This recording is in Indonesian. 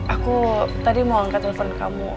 aku tadi mau angkat telepon kamu